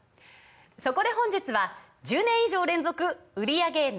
そこで本日は１０年以上連続売り上げＮｏ．１